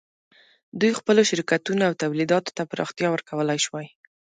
دوی خپلو شرکتونو او تولیداتو ته پراختیا ورکولای شوای.